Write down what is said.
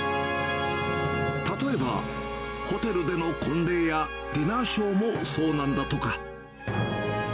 例えば、ホテルでの婚礼やディナーショーもそうなんだとか。